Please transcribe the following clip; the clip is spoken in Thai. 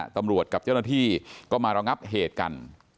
ตำรวจกับเจ้าหน้าที่ก็มาระงับเหตุกัน